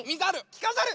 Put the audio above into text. きかざる。